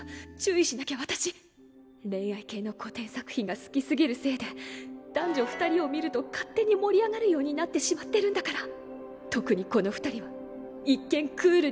恋愛系の古典作品が好きすぎるせいで男女２人を見ると勝手に盛り上がるようになってしまってるんだから。